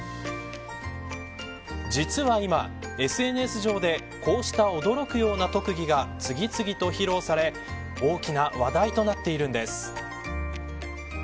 実は今、ＳＮＳ上でこうした驚くような特技が次々と披露され大きな話題となっているんです。